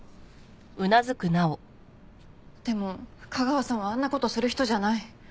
でも架川さんはあんな事する人じゃない。